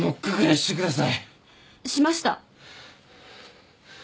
しました。